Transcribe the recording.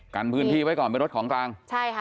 กันพื้นที่ไว้ก่อนเป็นรถของกลางใช่ค่ะ